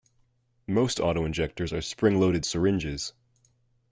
Most autoinjectors are spring-loaded syringes.